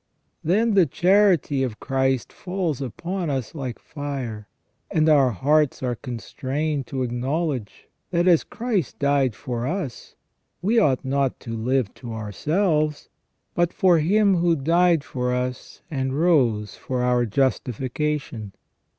Then the charity of Christ falls upon us like fire, and our hearts are constrained to acknowledge that, as Christ died for us, we ought not to live to ourselves, but for Him who died for us, and rose for our justification.